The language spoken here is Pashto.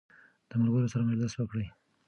د ملګرو سره مجلس وکړئ.